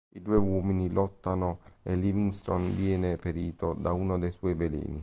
I due uomini lottano e Livingston viene ferito da uno dei suoi veleni.